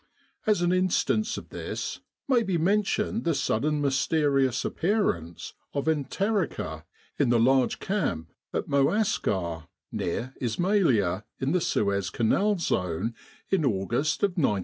As an instance of this may be men tioned the sudden mysterious appearance of enterica in the large camp at Moascar, near Ismailia, in the Suez Canal zone in August of 1916.